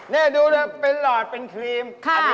นี่ดูเลยเป็นหลอดเป็นครีม